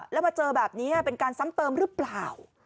แล้วมาเจอแบบนี้เป็นการซ้ำเติมหรือเปล่า